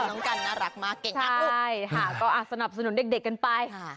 โอ๊ยฟุบบุ่นเนี่ย